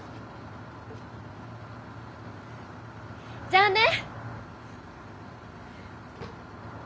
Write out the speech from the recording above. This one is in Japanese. じゃあね！